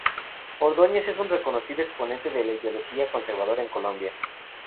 Ordóñez es un reconocido exponente de la ideología conservadora en Colombia.